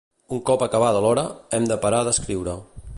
Un cop acabada l'hora, hem de parar d'escriure.